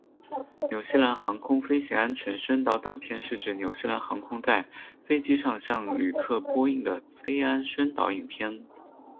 纽西兰航空飞行安全宣导短片是指纽西兰航空在飞机上向旅客播映的飞安宣导影片。